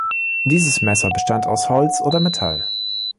Dieses Messer bestand aus Holz oder Metall.